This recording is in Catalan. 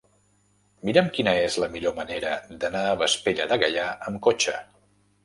Mira'm quina és la millor manera d'anar a Vespella de Gaià amb cotxe.